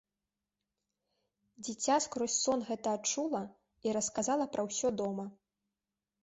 Дзіця скрозь сон гэта адчула і расказала пра ўсё дома.